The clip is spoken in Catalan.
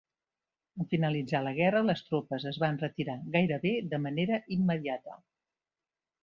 En finalitzar la guerra, les tropes es van retirar gairebé de manera immediata.